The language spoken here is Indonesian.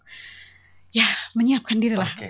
ya menyiapkan diri lah